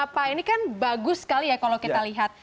pak ini kan bagus sekali ya kalau kita lihat